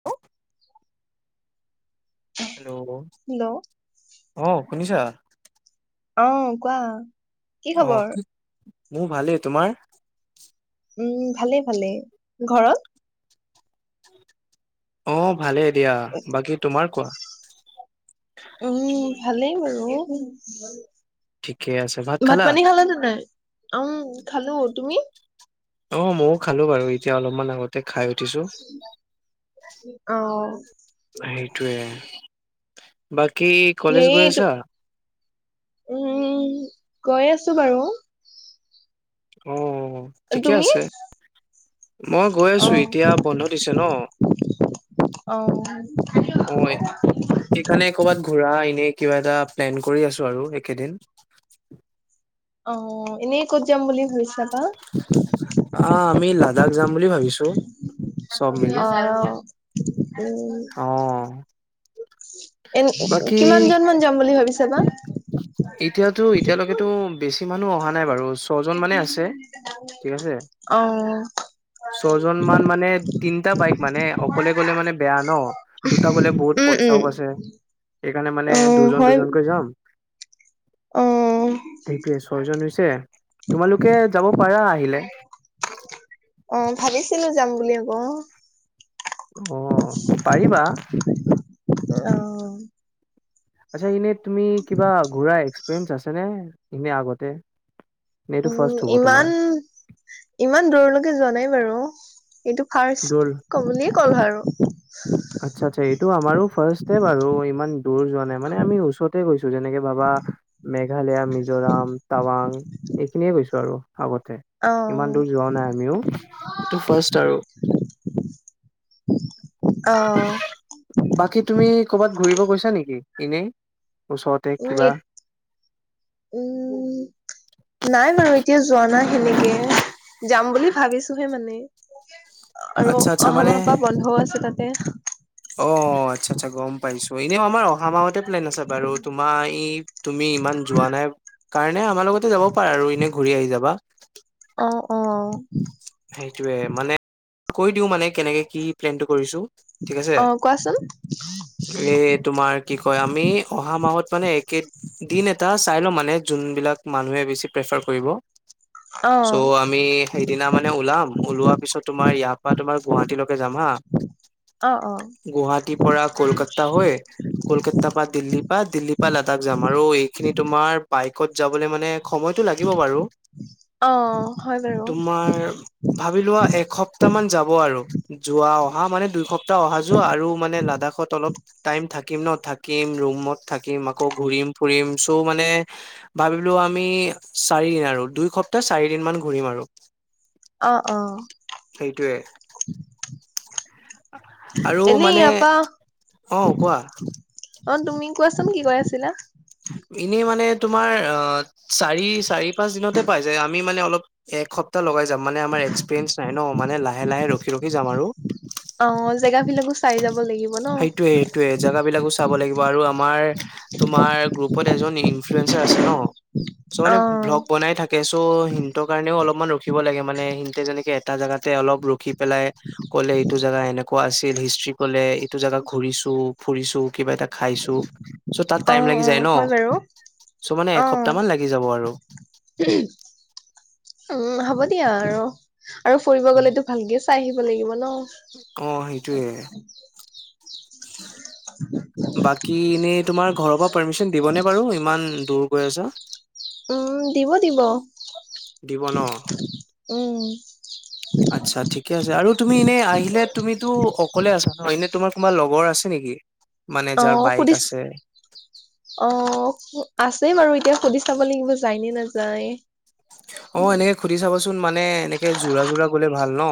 [inaudible] Hello hello অ শুনিছা অ কোৱা কি অ খবৰ কি মোৰ ভালেই তোমাৰ উম ভালে ভালে ঘৰত অ ভালেই দিয়া বাকী তোমাৰ কোৱা উম ভালেই বাৰু ঠিকে আছে ভাত খালা পানী খালে নে নাই অ খালো তুমি অ ময়ো খালো বাৰু এতিয়া অলপমান আগত তে খাই উঠিছো অ সেইটোয়ে বাকী কলেজ গৈ হেৰি আছা উম গৈ আছো বাৰু অ ঠিকে তুমি আছে মই গৈ অ আছো এতিয়া বন্ধ দিছে ন অ সেইকাৰনে কবাত ঘূৰা এনে কিবা এটা প্লেন কৰি আছো আৰু একেদিন অ এনেই ক'ত যাম বুলি ভাবিছা বা অ আমি লাডাখ যাম বুলি ভাবিছো চব মিলি অ উম অ এ বাকী কিমান জন মান যাম বুলি ভাবিছা বা এতিয়াতো এতিয়ালৈকেতো বেছি মানুহ অহা নাই বাৰু ছয়জন মানে আছে ঠিক আছে অ ছয়জন মান মানে তিনিটা বাইক মানে অকলে গলে মানে বেয়া ন দুটা গলে বহুত উম পইচাও উম বাছে সেইকাৰণে মানে অ দুজন দুজনকৈ যাম অঁ সেইটোৱে ছয়জন হৈছে তোমালোকে যাব পাৰা আহিলে অ ভাবিছিলো যাম বুলি আকৌ অ পাৰিবা অ আচ্ছা কিনি তুমি কিবা ঘূৰা এক্সপ্ৰিৱেন্স আছে নে এনেই আগতে নে এইটো উম ফাৰ্ষ্ট হ'ব তোমাৰ ইমান ইমান দূৰলৈকে যোৱা নাই বাৰু এইটো দৌল ফাৰ্ষ্ট কমনি হল আৰু আচ্ছা আচ্ছা এইটো আমাৰো ফাৰ্ষ্টতে বাৰু ইমান দূৰ যোৱা নাই মানে আমি ওচৰতে গৈছো যেনেকে ভাবা মেঘালয়া মিজোৰাম টাৱাং এইখিনিয়ে গৈছো আৰু আগতে ইমান অ', দূৰ যোৱা নাই আমিও এইটো ফাৰ্ষ্ট আৰু অ বাকী তুমি কৰবাত ঘূৰিব গৈছা নেকি এনেই ওচৰতে উম কিবা? উম নাই বাৰু এতিয়া যোৱা নাই সেনেকে। যাম বুলি ভাবিছোহে মানে আৰু আচ্ছা, আচ্ছা অহা মানে মাহৰ পৰা বন্ধও আছে তাতে। অ', আচ্ছা আচ্ছা গম পাইছো। এনেই আমাৰ অহা মাহতে প্লেন আছে বাৰু তোমাৰ ই তুমি ইমান যোৱা নাই কাৰণে আমাৰ লগতে যাব পাৰা আৰু এনে ঘূৰি আহি যাবা। অ', অ'। সেইটোয়ে মানে কৈ দিওঁ মানে কেনেকে কি প্লেনটো কৰিছো। অ', কোৱাচোন। এ তোমাৰ কি কয় আমি অহা মাহত মানে একে দিন এটা চাই লম মানে যোনবিলাক মানুহে বেছি প্ৰেফাৰ কৰিব। অ', চ' আমি সেইদিনা মানে মে ওলাম ওলোৱা পিছত তোমাৰ ইয়াৰ পৰা তোমাৰ গুৱাহাটীলৈকে যাম হা। অ', অ', গুৱাহাটী পৰা কলকাতা হৈ। কলকাতাৰ পৰা দিল্লীৰ প পৰা দিল্লীৰ পৰা লাডাখ যাম আৰু এইখিনি তোমাৰ বাইকত যাবলৈ মানে সময়টো লাগিব বাৰু অ', হয় বাৰু তোমাৰ ভাবি লোৱা এসপ্তাহ মান যাব আৰু। যোৱা অহা মানে দুই সপ্তাহ অহা যোৱা আৰু মানে লাডাখত অলপ টাইম থাকিম ন থাকিম ৰুমত থাকিম আকৌ ঘুৰিম ফুৰিম চৌ মানে ভাবিলো আমি চাৰি আৰু দুই সপ্তাহ চাৰি দিন মান ঘূৰিম আৰু। অ', অ'। সেইটোৱে। আৰু এনে মানে এয়া পৰা অ', তুমি কোৱাচোন কি কৈ আছিলা? এনে মানে তোমাৰ অ' চাৰি চাৰি পাঁচ দিনতে পাই যায়। আমি মানে অলপ একসপ্তাহ লগাই যাম মানে আমাৰ এক্সপিৰিয়েন্ঞ্চ নাই ন মানে লাহে লাহে ৰখি ৰখি যাম আৰু। অ', জেগাবিলাকো চাই যাব লাগিব ন। সেইটোয়ে সেইটোয়ে জেগাবিলাকো চাব লাগিব আৰু আম তোমাৰ ইনফ্লেঞ্চাৰ আছে ন চ' মানে অ', ভ্লোগ বনাই থাকে চ' সিহঁৰ কাৰণেও অলপমান ৰখিব লাগে। মানে সিহতে যেনেকে এটা জেগাতে অলপ ৰখি পেলাই ক'লে এইটো জোগা এনে কোৱা আছিল হিষ্ট্ৰি ক'লে এইটো জেগা ঘুৰিছো ফুৰিছো কিবা এটা খাইছো চ' তাত টাইম অ', লাগি অ', যায় ন। হয় বাৰু চ' মানে অ'। এসপ্তাহ মান লাগি যাব আৰু। [inaudible] উম, হ'ব দিয়া আৰু আৰু ফুৰিব গ'লেতো ভালকে চাই আহিব লাগিব ন। অ', সেইটোয়ে। [inaudible] বাকী এনেই তোমাৰ ঘৰৰ পৰা পাৰ্মিচন দিবনে বাৰু ইমান দূৰ গৈ আছা। উম, দিব দিব দিব ন উম। আচ্ছা ঠিকে আছে আৰু তুমি এনেই আহিলে তুমিতো অকলে আছা ন এনে তোমাৰ কোনোবা লগৰ আছে নেকি? মানে যাৰ অ', বাইক সুধিছ আছে অ', আছেই বাৰু এতিয়া সুধি চাব লাগিব যায় নে নাযায়। অ', এনেকে সুধি চাবচোন মানে এনেকে যোৰা যোৰা গ'লে ভাল ন।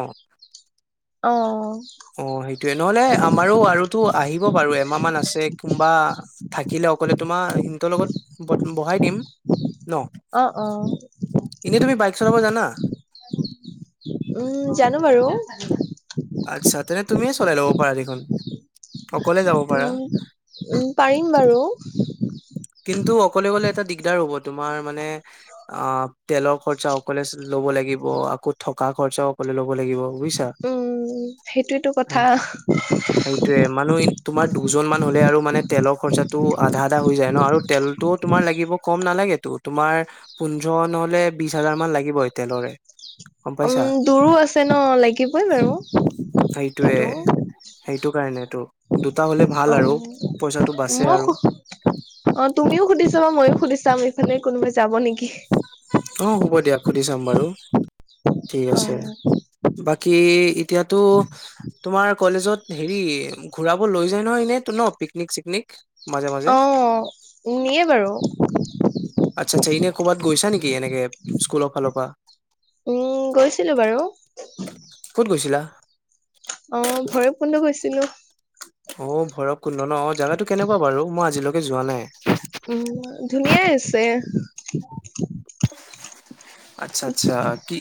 অ'। অ', সেইটোয়ে নহ'লে আমাৰো আৰুতো আহিব বাৰু এমাহ মান আছে কোনোবা থাকিলে অকলে তোমাৰ সিহঁতৰ লগত বহাই দিম ন। অ অ এনেই তুমি বাইক চলাব জানা? উম, জানো বাৰু। আচ্ছা তেনে তুমিয়ে চলাই ল'ব পাৰা দেখোন অকলে যাব পাৰা। উম উম, পাৰিম বাৰু। কিন্তু অকলে অকলে এটা দিগদাৰ হ'ব তোমাৰ মানে অ তেলৰ খৰচা অকলে ল'ব লাগিব আকৌ থকা খৰচাও লে ল'ব লাগিব বুজিছা। উম সেইটোয়ো কথা সেইয়ে মানে তুমাৰ দুজন মান হলে আৰু মানে তেলৰ খৰচাটো আধা আধা হৈ যায় আৰু তেলতো তোমাৰ লাগিব কম নালাগেতো তোমাৰ পোন্ধৰ নহলে বিশ হাজাৰ মান লাগিব তেলৰে গম পাইছা উম দূৰো আছে ন লাগিবই বাৰু সেইটোয়ে সেইটো সেইটো কাৰণেতটো দুটা হলে অ ভাল আৰু পইচাটো বাচে মই আৰু অ তুমিও সুধিছ বা ময়ো সুধি চাম এইফালে কোনোবাই যাব নেকি অ হ'ব দিয়া সুধি চাম বাৰু ঠিক অ আছে বাকী এতিয়াতো তোমাৰ কলেজত হেৰি ঘূৰাব লৈ যায় নহয় এনেইতো ন পিকনিক চিকনিক মাজে মাজে অ নিয়ে বাৰু আচ্ছা আচ্ছা এনে ক'ৰবাত গৈছা নেকি এনেকে স্কুলৰ ফালৰ পৰা উ গৈছিলো বাৰু কত গৈছিলা অ ঘৰে বধ গৈছিলো অ ভৰ কল ন জাগাটো কেনেকুৱা বাৰু মই আজিলৈকে যোৱা উম নাই। ধুনীয়াই আছে [inaudible] আচ্ছা আচ্ছা কি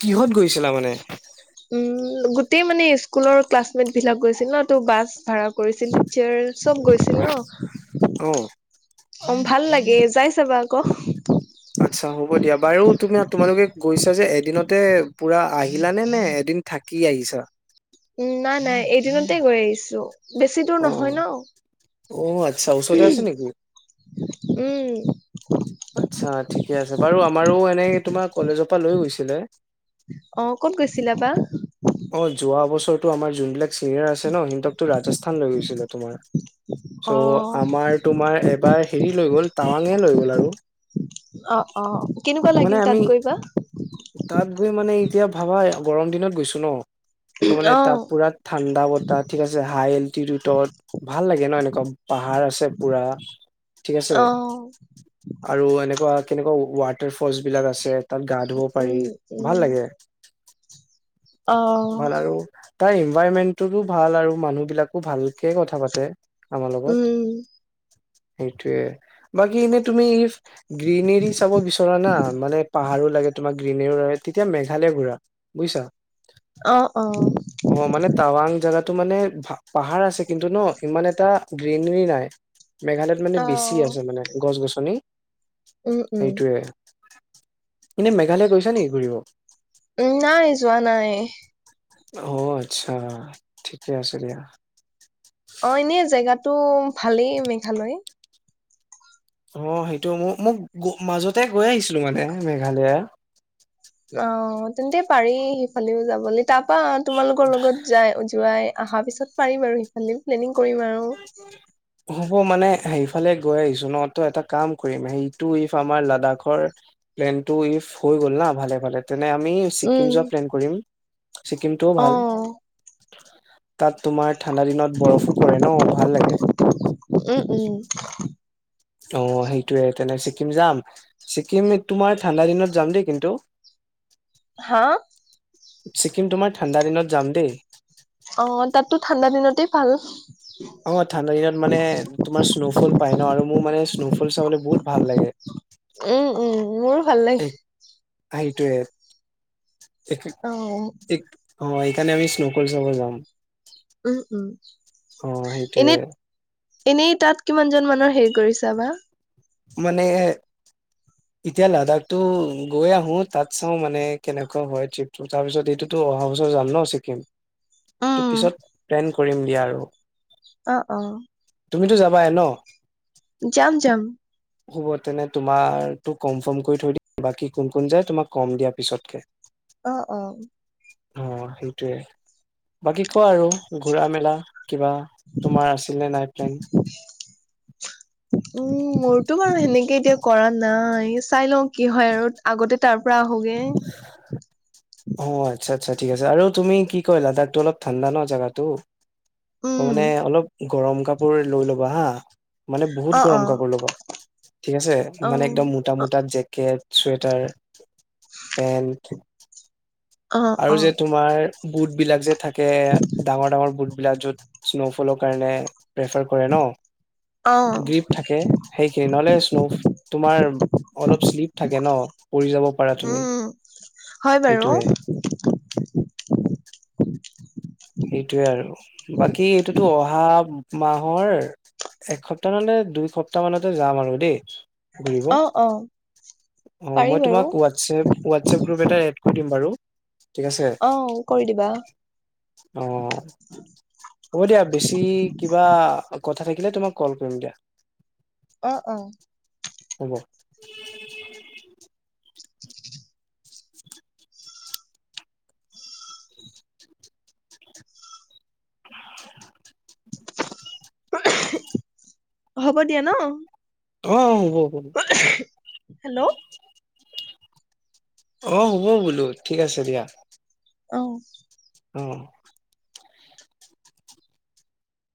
কিহত গৈছিলা মানে? উম গোটেই মানে স্কুলৰ ক্লাছমেট বিলাক গৈছিল ন ত বাছ ভাড়া কৰিছিল টিচাৰ চব গৈছিল ন অ অ ভাল লাগে যাই চাবা আকৌ। আচ্ছা হ'ব দিয়া বাৰু তুমি তোমালোকে গৈছা যে এদিনতে পুৰা আহিলানে নে এদিন থাকি আহিছা? উম নাই নাই এদিনতে গৈ আহিছো। বেছি দূৰ অ নহয় ন। অ আচ্ছা ওচৰতে আছে নেকি উম। আচ্ছা ঠিকে আছে বাৰু আমাৰো এনেই তোমাৰ কলেজৰ পৰা লৈ গৈছিলে। অ কত গৈছিলা বা? অ যোৱা বছৰটো আমাৰ যোনবিলাক চিনিয়ৰ আছে ন সিহঁতকতো ৰাজস্থান লৈ গৈছিলে তোমাৰ। অ চ' আমাৰ তোমাৰ এবাৰ হেৰি লৈ গ'ল টাৱাঙে লৈ গ'ল আৰু। অ কেনেকুৱা মানে লাগিল তাত আমি গৈ বা? তাত গৈ মানে এতিয়া ভাবা গৰম দিনত গৈছো ন চ' মানে অ তাত পুৰা ঠাণ্ডা বতাহ ঠিক আছে হাই এল্টিটিউডত ভাল লাগে ন এনেকুৱা পাহাৰ আছে। ছে পুৰা ঠিক‌ আছে অ আৰু এনেকুৱা কেনেকুৱা ৱাড ড ফল্চ বিলাক আছে তাত গা ধুব পাৰি উম ভাল উম লাগে। অ ভাল আৰু তাৰ ইনভাইৰমেন্টটোতো ভাল আৰু মানুহ বিলাকো ভালকে কথা পাতে। আমাৰ লগত উম সেইটোয়ে বাকী এনেই তুমি গ্ৰীনেৰী চাব বিচৰা না মানে পাহাৰো লাগে তোমাক গ্ৰীণ তেতিয়া মেঘালয় ঘূৰা বুজিছা। অ অ। অ মানে টাৱাং জাগাটো মানে পাহাৰ আছে কিন্তু ন ইমান এটা গ্ৰীনেৰী নাই। [inaudible] মেঘালয়ত মানে অ বেছি আছে মানে গছ গছনি উম উম সেইটোৱে। এনে মেঘালয়া গৈছা নেকি ঘূৰিব? উম নাই যোৱা নাই। অ আচ্ছা ঠিকে আছে দিয়া। অ এনে জেগাতটো ভালেই মেঘালয়। অ', সেইটো মো-মোক মাজতে গৈ আহিছিলো মানে মেঘালয়া। অ', তেন্তে পাৰি সিফালেও যাবলৈ তাৰপা তোমালোকৰ লগত‌ যায় যোৱাই অহাৰ পিছত পাৰিম আৰু সেইফালে প্লেনিং কৰিম আৰু। [inaudible] হ'ব মানে সেইফালে গৈ আহিছো ন ত' এটা কাম কৰিম সেইটো ইফ আমাৰ লাডাখৰ প্লেনটো ইফ হৈ গ'ল না ভালে ভালে তেনে আমি ছিকিম উম, যোৱা প্লেন কৰিম ছিকিমটোও ভাল। অ' তাত তোমাৰ ঠাণ্ডা দিনত বৰফো পৰে ন ভাল লাগে। উম, উম। অ', সেইটোৱে তেনে ছিকিম যাম ছিকিমতো মই ঠাণ্ডা দিনত যাম দেই কিন্তু। হা? ছিকিম তোমাৰ ঠাণ্ডা দিনত যাম দেই। অ', তাততো ঠাণ্ডা দিনতেই ভাল। অ', ঠাণ্ডা দিনত মানে তোমাৰ স্ন'ফল পায় ন আৰু মোৰ মানে স্ন'ফল চাবলৈ বহুত ভাল লাগে। উম, উম মোৰো ভাল লাগে। সেইটোৱে। অ'। অ', এইকাৰে আমি স্নোফল চাব যাম। উম, উম অ সেইটোয়ে এনেই‌ এনেই তাত কিমান জন মানুহৰ হেৰি কৰিছা বা? মানে [inaudible] এতিয়া লাডাখতো গৈ আহো তাত চাওঁ মানে কেনেকুৱা হয় ট্ৰিপটো তাৰপিছত এইটো ত' অহা বছৰ যাম ন ছিকিম ত' উম, পিছত প্লেন কৰিম দিয়া আৰু। অ', অ'। তুমিতো যাবাই ন? যাম যাম। হ'ব তেনে তোমাৰটো কনফাৰ্ম কৰি থৈ দিম বাকি কোন কোন যাই তুমাক কম দিয়া পিছতকে। অ', অ'। অ', সেইটোৱে। বাকী কোৱা আৰু ঘুৰা মেলা কিবা তোমাৰ আছিল নে নাই প্লেন? [inaudible] উম, মোৰতো বাৰু সেনেকে এতিয়া কৰা নাই চাই লওঁ কি হয় আৰু। আগতে তাৰ পৰা আহোগে। অ', আচ্ছা আচ্ছা ঠিক আছে আৰু তুমি কি কয় লাডাখতো অলপ ঠাণ্ডা ন জাগাটো। ত' মানে উম, অলপ গৰম কাপোৰ লৈ ল'বা হা। মানে বহুত অ', গৰম অ', কাপোৰ ল'বা ঠিক আছে। মানে অ', একদম মোটা মোটা জেক কেট চুৱেটাৰ। পেণ্ট। অ', অ', আৰু যে অ', তোমাৰ বুটবিলাক যে থাকে ডাঙৰ ডাঙৰ বুট। বিলাক য'ত স্ন'ফলৰ কাৰণে প্ৰেফাৰ কৰে ন। অ গ্ৰীপ থাকে সেইখিনি। নহ'লে স্নো তোমাৰ অলপ শ্লিপ থাকে ন পৰি যাব পাৰা তুমি। উম, হয়, বাৰু। সেইটোয়ে [inaudible] সেইটোৱে আৰু বাকী এইটোতো অহা মাহৰ এসপ্তাহ মানে দুই সপ্তাহ মানতে যাম আৰু দেই। ঘুৰিব অ', অ'। অ', পাৰি মই বাৰু তোমাক হটছএপ হটছ‌এপ‌ গ্ৰুপ এটা এড কৰি দিম বাৰু। ঠিক আছে? অ', কৰি দিবা অ হ'ব দিয়া বেছি কিবা কথা থাকিলে তোমাক কল কৰিম দিয়া অ অ হ'ব [inaudible] [inaudible] হ'ব দিয়া ন অঁ অ হ'ব হ'ব হেল্ল' অ হ'ব বোলো ঠিক আছে দিয়া অ অ